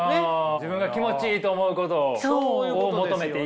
自分が気持ちいいと思うことを求めていいと。